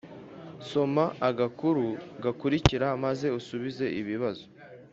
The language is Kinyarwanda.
soma agakuru gakurikira maze usubize ibibazo.